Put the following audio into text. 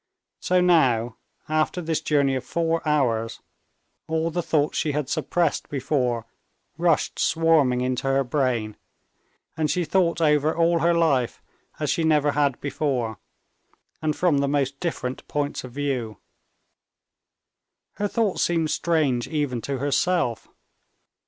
So now, after this journey of four hours, all the thoughts she had suppressed before rushed swarming into her brain, and she thought over all her life as she never had before, and from the most different points of view. Her thoughts seemed strange even to herself.